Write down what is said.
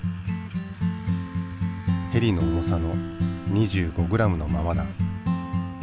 ヘリの重さの２５ｇのままだ。